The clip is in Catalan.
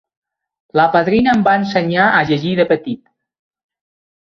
La padrina em va ensenyar a llegir de petit.